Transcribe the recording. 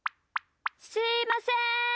すいません。